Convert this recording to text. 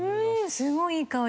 すごいいい香り。